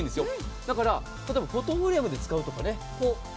だから、例えばフォトフレームのように使うとかね。